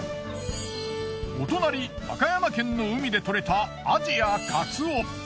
お隣和歌山県の海で獲れたアジやカツオ。